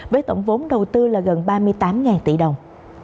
với tổng vốn đầu tư là gần ba mươi tám tỷ đồng